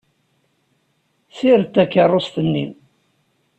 Ssired takeṛṛust-nni.